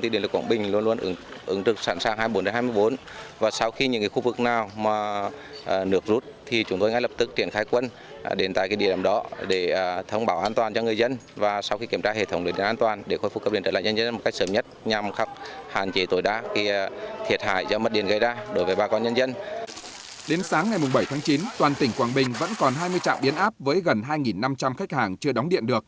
đến sáng ngày bảy tháng chín toàn tỉnh quảng bình vẫn còn hai mươi trạm biến áp với gần hai năm trăm linh khách hàng chưa đóng điện được